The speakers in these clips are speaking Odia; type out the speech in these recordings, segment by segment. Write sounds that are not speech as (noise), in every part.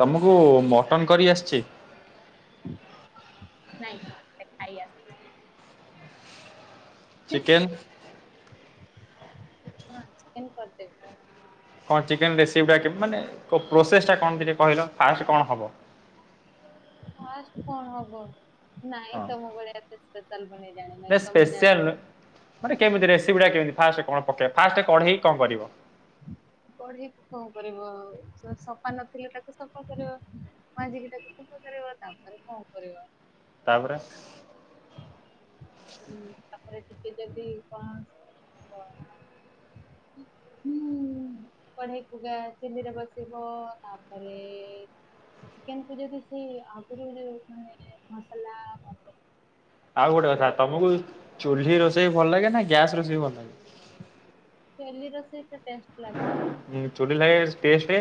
ତମକୁ ମଟନ କରି ଆସିଛି ନାଇଁ ଦେଖାଇ ଆସ ଚିକେନ ହଁ ଚିକେନ କରିଦେବି କଣ ଚିକେନ ରେସିପି ଟା ମାନେ ପ୍ରୋସେସ ଟା କଣ ଟିକେ କହିଲ ଫାଷ୍ଟ କଣ ହବ (inaudible) କଣ ହବ ନାଇଁ ତମ ଭଳିଆ ଏତେ ସ୍ପେସିଆଲ ସ୍ପେଶଆଲ ମାନେ କେମିତି ରେସିପି ଟା କେମିତି ଫାଷ୍ଟ କଣ ପକେଇ ଫାଷ୍ଟ କଢେଇ କଣ କରିବ କଢେଇକୁ କଣ କରିବ ଆଉ ସଫା ନଥିଲେ ତାକୁ ସଫା କରିବ ମାଜି କି ତାକୁ ସଫା କରିବ ତା ପରେ କଣ କରିବ ତାପରେ ତାପରେ ଟିକେ ଯଦି କଣ ସେ ହବ ହୁଁ କଢେଇ (unintelligible) ଚୁଲିରେ ବସିବ ତାପରେ ଚିକେନ କୁ ଯଦି ସେ ଆଗରୁ ଯୋଉ ମାନେ ମସଲା ଆଉ ଗୋଟେ କଥା ତମକୁ ଚୁ୍ଲି ରୋଷେଇ ଭଲ ଲାଗେ ନା ଗ୍ୟାସ୍ ରୋଷେଇ ଭଲ ଲାଗେ ଚୁଲି ରୋଷେଇ ଟେଷ୍ଟ ଲାଗେ ଁ ଚୁଲି ଲାଗେ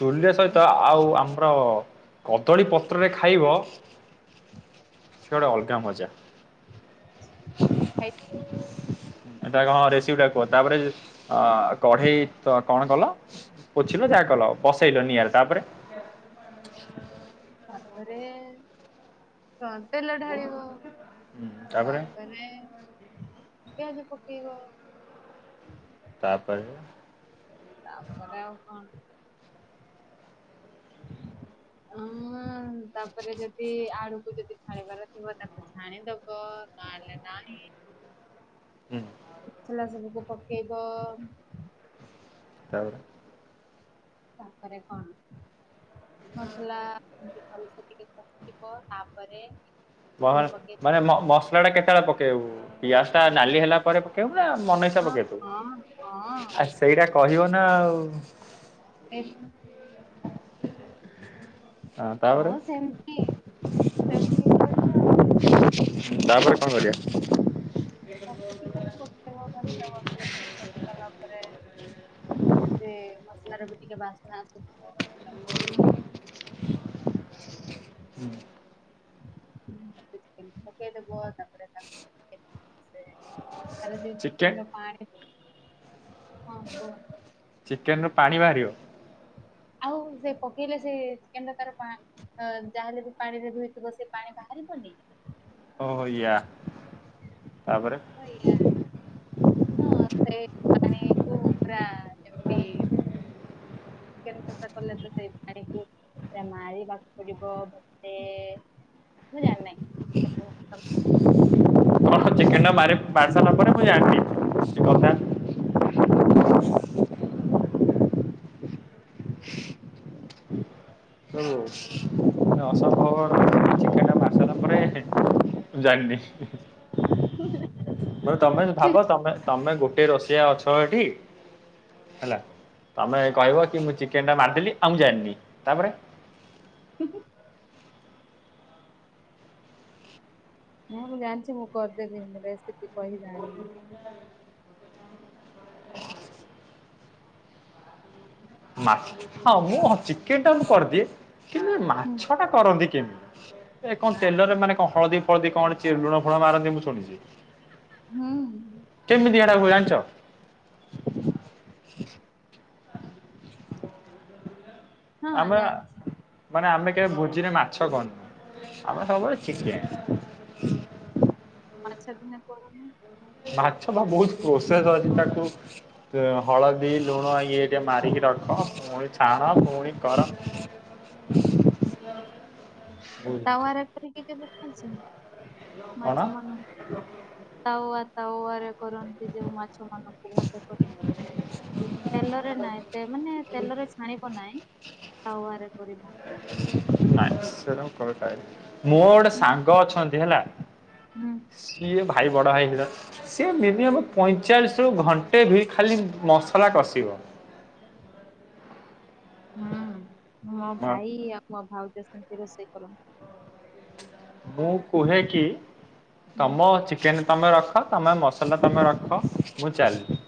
ଚୁଲି ସହିତ ଖାଇ ଆଉ ଆମର କଦଳୀ ପତ୍ରରେ ଖାଇବ ସେଟା ଅଲଗା ମଜା ଆାଇ ଟ ହଁ ରେସିଟା କୁହ ତାପରେ ଅ କଢେଇ କଣ କଲ ପୋଛିିଲ ଯାହା କଲ ବସେଇଲନି ଆ ତାପରେ ତାପରେ ତଣ ତେଲ ଢାଳିବ ହୁଁ ତାପରେ ତାପ ପିଜ ପକେଇବ ତାପରେ ତାପରେ ଆଉ କଣ ହଁ ତାପରେ ଯଦି ଆଡୁ ୁ ଯଦି ଛାଣିବାର ଥିବ ତାକୁ ଛାଣିଦବ ନହେଲେ ନାହିଁ ହୁଁ ଖଲା ସବୁକୁ ପକେଇବ ତାପରେ ତାପରେ କଣ ମସଲାମତି ଭଲ ସେ ଟିକେ ଆିବ ତାପରେ ମ ଚିକେନ ପକେଇବ ମାନେ ମସଲା ଟା କେତେବେଳେ ପକେଇବୁ ପିଆଜ ଟା ନାଲି ହେଲା ପରେ ପକେଇବୁ ନା ମନଇସା ହଁ ପକେଇ ତୁ ହଁ ଆ ହଁ ସେଇଟା କହିବ ନା ଆଉ ଏକ ହଁ ସେମତି ସେମତି କହିବ ଆଉ ତାପରେ କଣ କରିବାଆ ସିଗଲା ପରେ ସେେ ମସଲ ର ବି ଟିକେ ବାସ୍ତନା ଆସିବ ହୁଁ ମୁ କେ ବ ତା ତ ଚିକେନ ପାଣି ହଁ କ କେନୁ ପାଣି ବାହାରିବ ଆଉ ସେ ପକେଇଲେ ସେନ ତାର ଯାହାେଲେ ବି ପାଣିରେ ଧୁୋଇଥିବ ସେ ପାଣି ବାହାରିବନି ହଆ ହଁ ସେ ଆକୁ ଉପରା ଏମତି ଚିକେନ ଖ କରଲା ତ ସେ ପାଣି ଖ ଆ ମାାର ପା ପଡିିବ ବ ମୁ ନାେ ଚିକେନ ଟା ବାହାରି ସାରିଲା ପରେ ମୁଁ ଜାଣି ସେ କଥା (unintelligible) ସବୁ ଅସ ଖବର ଚିକୋ ଆସାରିଲା ପରେ ଜାଣିନି ତମେ ଭାବ ତମେ ତୁମେ ଗୋଟେ ରୋଷଆ ଅଛ ଏଠି ହେଲା ତମେ କହିବ କି ମୁଁ ଚିକେନ ଟା ମାରିଦେି ଆଉ ଜାଣିନି ତାପରେ କେ ନାଇଁ ମୁଁ ଜାଣିଛି ମୁଁ କରିଦେବି ମୁଁ ରେସିପି କହି ଜାଣିିନି ମାଛ ହଁ ମୁଁ ହଁ ଚିକେନ ଟା କରିଦିଏ କିନ୍ତୁ ଏ ମାଛ ଟା କରନ୍ତି କେମିତି ଏ କଣ ତେଲରେ ମାନେ କଣ ହଳଦୀ ଫଳଦୀ କଣଛି ଲୁଣ ଫୁଣ ମାରନ୍ତି ମୁଁ ଶୁଣିଛି ହୁଁ ଗଳଚ ହଁ ଆମେ ଜାଣିଛି ମାନେ ଆମେ କେବେ ଭୋଜିରେେ ମାଛ କନୁ ଆମେ ସବୁବେଳେ ିକେ ମାଛ ବିନା କରନି ମାଛ ତ ବହୁତ ପ୍ରୋସେସ ଅଛି ତାକୁ ହଳଦୀ ଲୁଣ ଇଏ ମାରିକି ରଖ ପୁଣି ଛାଣ ପୁଣି କର। ତାୱ ଏପରେ କି କେବେ ଖାଇଛ? କଣ ମାଛ ମାନେ ତାୱଆ ତାୱ ରେ କରନ୍ତି ଯୋଉ ମାଛ। ମାନଙ୍କୁ ଭଜା କର। ତେଲରେ ନାଇଁ ମାନେ ତେଲରେ ଛାଣିବ ନାହିଁ। ତାୱଆରେ କରିବ। ନାଇ ସେଟା ମୁଁ କ ଖାଇନି ଗୋଟେ ସାଙ୍ଗ ଅଛନ୍ତି ହେଲା ହୁଁ ସିଏ ଭାଇ ବଡ ଭାଇ ସେ ମିନିମ ପଇଁଚାଳିଶ ରୁ ଘଣ୍ଟେ ଖାଲି ମସଲା କଷିବ। ହୁଁ ମୋ ଭାଇ ଆଉ ମୋ ଭାଉଜ ସେମିତି ରୋଷେଇ କରନ୍ତି। ମୁଁ କୁହେ କି ହୁଁ ତମ ଚିକେନ ତମେ ରଖ ତମେ ମସଲା ତମେ ରଖ ମୁଁ ଚାଲି।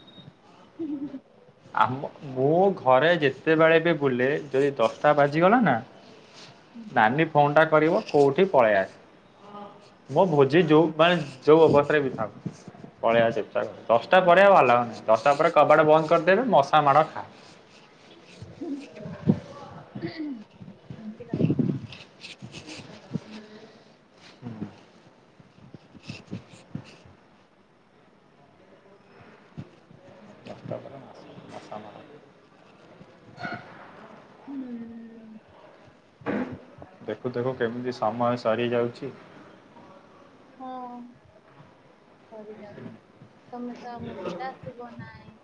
ହୁଁ ହୁଁଁ। ଆ ମୁଁ ଘରେ ଯେତେବେଳେ ବି ବୁଲେ ଯଦି ଦଶଟା ବାଜିଗଲା ନା। ନାନୀ ଫୋନ ଟା କରିବ କୋଉଠି ପଳେଇ ଆସ। ମୋ ଭୋଜି ଯୋଉ ମାନେ ଯୋଉ ଅବସ୍ଥାରେ ବିଥା ପଳେଇବା ଚୁପୁଚାପ ଦଶଟା ପରେ ଆଉ ଆଲାଉ ନାହିଁ ଦଶଟା ପରେ କବାଟ ବନ୍ତ କରିଦେବେ। ମଶା ମାଡ଼ ଖା ହୁ ଏମିତିକା। ହୁଁ। ଜତ ମା ମାସା (unintelligible) ହୁଁ। ଦେଖୁ ଦେଖୁ କେମିତି ସମୟ ସରି ଯାଉଛି। ହଁ ସରି ଯାଉଛି ତମେ ତ ଆମ ସହିତ ଆସିବ ନାହିଁ।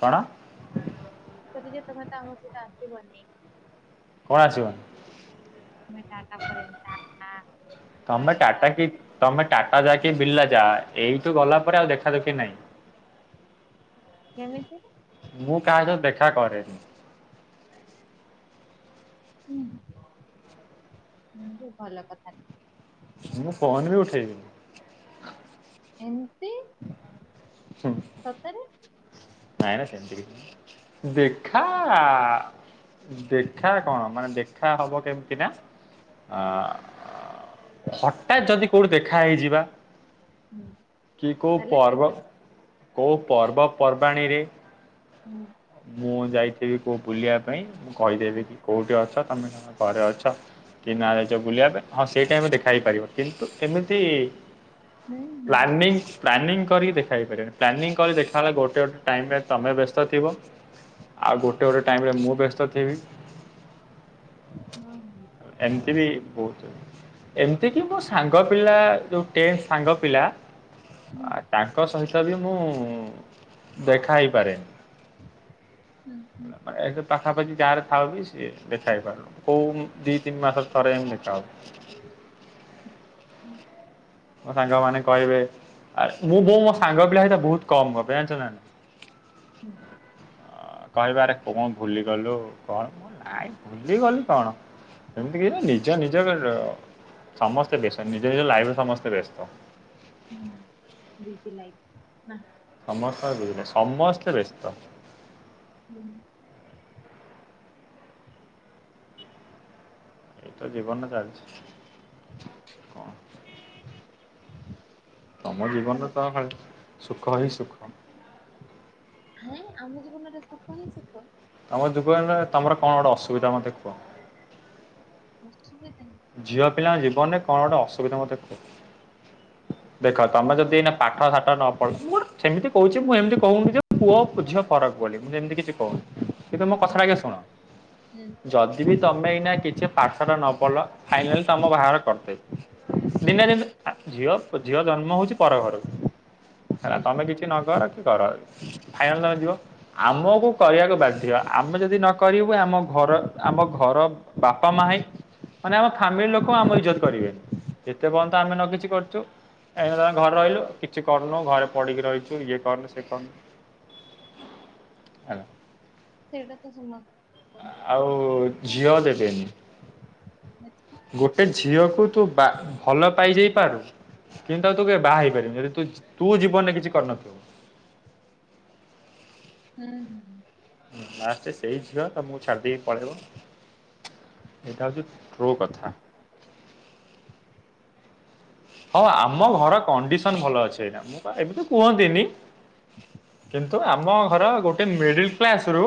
କଣ କଦି ଯେ ତମେ ତ ଆମ ସହିତ ଆସିବନି କଣ ଆସିବ। ତମେ ଟାଟା ପଳେଇବ ଟାଟା ତମେ ବାଏ ବାଏ ଟାଟା କି ତମେ ଟାଟା ଯାକ ବିର୍ଲା ଟାଏଇଠୁ ଗଲା ପରେ ଆଉ ଦେଖାଦଖି ନାହିଁ। କେମିତି ମୁଁ କାହାକୁ ଦେଖା କରେ। ହୁଁ ଭଲ କଥା। ମୁଁ ଫୋନ ବି ଉଠେଇବିନି ଏମତି ସତରେ ଆଇ ନା ସେମିତି ଦେଖା- ଦେଖା କଣ ମାନେ ଦେଖା ହବ କେମିତି ନା ଆ ହଠାତ୍ ଯଦି କୋଉଠି ଦେଖା ହେଇଯିବା। ହୁଁ, କି କୋଉ ତାହେଲେ ଠିକ ପର୍ବ ଅଛି। କୋଉ ପର୍ବପର୍ବାଣୀରେ ହୁଁ। ମୁଁ ଯାଇଥିବି କୋଉ ବୁଲିବା ପାଇଁ ମୁଁ କହିଦେବି ହୁଁ କି କୋଉଠି ଅଛ। ନମେ ତମ ଘରେ ଅଛ। କି ନା ଯାଇଛ ବୁଲିବା ପାଇଁ ହଁ ସେଇଟାମି ଦେଖା ହେଇ ପାରିବ କିନ୍ତୁ ଏମିତି ହୁଁ ହୁଁ ପ୍ଲାନିଂ ପ୍ଲାନିଂ କରିକି ଦେଖାଇ ପାରିବ ପ୍ଲାନିଂ କରି ଦେଖା ହେଲା ଗୋଟେ ଗୋଟେ ଟାଇମ୍ ତମେ ବ୍ୟସ୍ତ ଥିବ। ଆଉ ଗୋଟେ ଗୋଟେ ଟାଇମ ରେ ମୁଁ ବ୍ୟସ୍ତ ଥିବି। ହଁ ହଁ ଏମିତି ବି ଜାଣିଛି। ବହୁତ ଏମିତି କିି ମୋ ସାଙ୍ଗ ପିଲା ଯୋଉ ଟେନ୍ ସାଙ୍ଗ ପିଲା ହୁଁ ତାଙ୍କ ସହିତ କଦ୍ଭି ମୁଁ ଦେଖା ହେଇପାରେନି। ହୁଁ ହୁଁ। ମାନେ ଏ ଯୋଉ ପାଖାପାଖି ଗାଁରେ ଥାଉ ବି ସିଏ ଦେଖା ହେଇପାରୁନ, କୋଉ ଦି ତିନି ମାସ ଥରେ ଏମିତି ଦେଖାହଉ। ହୁଁ। ମୋ ସାଙ୍ଗ ମାନ କହିବେ ଆ ମୁଁ ବୋଉ ମୋ ସାଙ୍ଗ ପିଲା ସତ ବହୁତ କମ ଗପେ ଜାଣିଛ ନା? ହୁଁ। କହିବରେ କୁଣ ଭୁଲିଗଲୁ କଣ ମୁଁ ନାଇଁ ଭୁଲିଗଲୁ କଣ? ଏମତି କି ନିଜ ନିଜ ସମସ୍ତେ ବ୍ୟସ୍ତ ନିଜ ନିଜ ଲାଇଫରେ ସମସ୍ତେ ବ୍ୟସ୍ତ ହଁ ଦ ଲାଇକ ନା ସମସ୍ତେ ବ୍ୟସ୍ତ। ହୁଁ। ଏଇତ ଜୀବନ ଚାଲିଛି କଣ? (inaudible) ତମ ଜୀବନରେ ତମେ ତ ଚା ଖାଲି ସୁଖ ହୁଁ, ହିଁ ସୁଖ। ହଁ ଆମ ଜୀବନରେ ସୁଖ ହିଁ ସୁଖ! ତମର ଯୁବନରେ ତମର କଣ ଗୋଟେ ଅସୁବିଧା ମତେ କୁହ? ଅସୁବିଧା! ଝିଅ ପିଲାଙ୍କ ଜୀବନରେ କଣ ଗୋଟେ ଅସୁବିଧା ମତେ କୁହ! ଦେଖ ତମେ ଯଦି ଏଇ ପାଠ ସାଠ ନ ପଢ଼ ମୋର ସେମିତି କହୁଛି, ମୁଁ ଏମିତି କହୁନି ଯେ ପୁଅ ଝି ଫରକ ବୋଲି ମୁ ସେମିତି କିଛି କହୁନି। କିନ୍ତୁ ମୋ ହୁଁ କଥାଟା କି ଶୁଣ ହୁଁ ଯଦି ବି ତମେ ଏଇନା କିଛି ପାର୍ଶ ଟା ନ ପଢ଼ିଲ ଫାଇନଲ ତମ ବାହାଘର କରିଦେବେ ହୁଁ ଦିନ ଦ ଝିଅ ଝିଅ ଜନ୍ମ ହଉଛି, ପର ଘରକୁ ହେଲା ହୁଁ ତମେ କିଛି ନ କର କର ଫାଇନାଲ ତମେ ଯିବ ହୁଁ, ଆମକୁ କରିବାକୁ ବାଧ୍ୟ ଆମେ ଯଦି ନକରିବୁ ଆମ ଘର ଆମ ଘର ବାପା ମା ହଁ ମାନେ ଆମ ଫ୍ୟାମିଲି ଲୋକ ଆମ ଇଜ୍ଜତ କରିବେନି ଏତେ ପର୍ଯ୍ୟନ୍ତ ଆମେ ନ କିଛି କରୁଛୁ ଏଇ ଘରେ ରହିଲୁ କିଛି କରନୁ ଘରେ ପଡ଼ିକି ରହିଛୁ ଇଏ କରନୁ ସିଏ କରନୁ ହାଲୋ! ସେଇଟା ତ ସମସ୍ତ ହୁଁ ଆଉ ଝିଅ ହୁଁ ଦେବେନି ଗୋଟେ ଝିଅ କୁ ତୁ ବା ଭଲ ପାଇ ଯାଇ ପାରୁ କିନ୍ତୁ ଆଉ ତୁ କେ ବାହା ହେଇପାରିବୁ, ଯଦିୁ ତୁ ଜୀବନରେ କିଛି କରିନଥିବୁ। ହୁଁ ହୁଁ। ଲାଷ୍ଟରେ ସେଇ ଝିଅ ତମକୁ ଛାଡ଼ି ଦେଇକି ପଳେଇବ ଏଇଟ ହଉଛି ରୋ କଥା। ହଁ ଆମ ହୁଁ ଘର କଣ୍ଡିସନ ଭଲ ଅଛି, ଏଇନା ମୁଁ ଏବେ ତ କୁହନ୍ତିନି କିନ୍ତୁ ଆମ ଘର ଗୋଟେ ମିଡିଲ କ୍ଲାସ ରୁ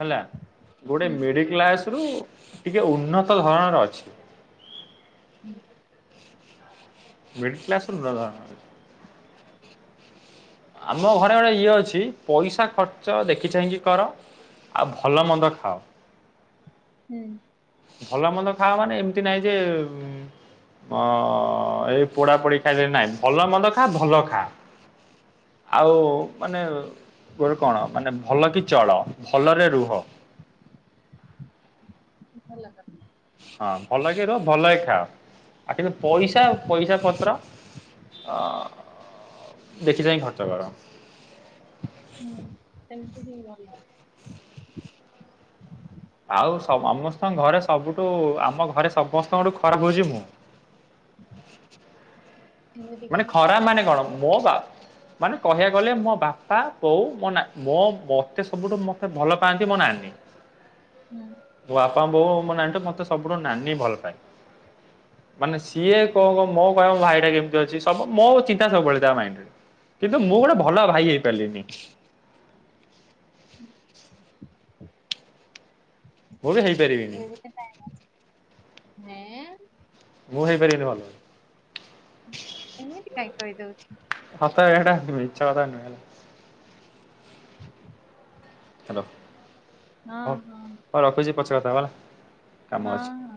ହେଲା। ଗୋଟେ ମିଡ କ୍ଲାସ ରୁ ଟିକେ ଉନ୍ନତ ଧରଣର ଅଛି। ହୁଁ। ମିଡିଲ୍ କ୍ଲାସ ରୁ ଉର୍ନ୍ନତ ଧରଣର ଆମ ଘରେ ଗୋଟେ ଇଏ ଅଛି, ପଇସା ଖର୍ଚ୍ଚ ଦେଖି ଚାହିଁକି କର ଆଉ ଭଲ ମନ୍ଦ ଖାଅ। ହୁଁ। ଭଲ ମନ୍ଦ ଖାଅ ମାନେ ଏମିତି ନାହିଁ ଯେ ଉଁ ଅ ଏଇ ପୋଡ଼ା ପୋଡ଼ି ଖାଇଲେ, ନାଇଁ ଭଲ ମନ୍ଦ ଖା ଭଲ ଖା ଆଉ ମାନେ ମୋର କଣ ମାନେ ଭଲ କି ଚଳ, ଭଲରେ ରୁହ ହ (inaudible) ଭଲ ଲାଗା (unintelligible) ଆ ଟିକେ ପଇସା ପଇସା ପତ୍ର ଅ ଦେଖି ଚାଇ ଖର୍ଚ୍ଚ କର ହୁଁ ସେ ଆଉ ସମସ୍ତଙ୍କ ଘରେ ସବୁଠୁ ଆମ ଘରେ ସମସ୍ତଙ୍କଠୁ ଖରାପ ହଉଛି ମୁଁ ହ (inaudible) ମାନେ ଖରା ମାନେ କଣ ମୋ ବା ମାନେ କହିବାକୁ ଗଲେ ମୋ ବାପା କୋଉ ମୋ ମୋ ମତେ ସବୁଠୁ ମତେ ଭଲ ପାଆନ୍ତି ମୋ ନାନୀ ହୁଁ ବା ବୋଉ ମୋ ନାନୀ ଟ ମତେ ସବୁଠୁ ନାନୀ ଭଲ ପାଏ। ମାନେ ସିଏ କଣ କ ମୋ କହିବ ଭାଇଟା କେି (unintelligible) ବୁ ମୋ ଚିନ୍ତା ସବୁବେଳେ ତା ମାଇଣ୍ଡ ରେ କିନ୍ତୁ ମୁଁ ଗୋଟେ ଭଲ ଭାଇ ହେଇପାରିଲିନି। ହ (inaudible) ମୁଁ ବି ହେଇପାରିବିନି। ହଁ ମୁଁ ହେଇପାର ନମାଲ (unintelligible) ଏମିତି କାଇଁ କହିଦଉଛୁ? ହାତ ବେଟାମ ଚାଦନଲା (unintelligible) ହ୍ୟାଲୋ ହଁ ହଁ ପଛ କଥା ବାଲା (unintelligible) ହଁ